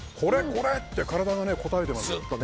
これ！って体が応えてます。